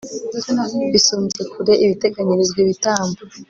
bisumbye kure ibiteganyirizwa ibitambo